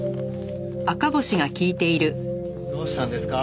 どうしたんですか？